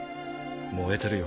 燃えてるよ。